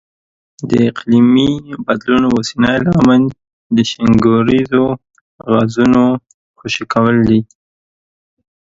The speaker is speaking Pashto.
د اقلیمي بدلون اوسنی لامل د شینکوریزو غازونو خوشې کول دي.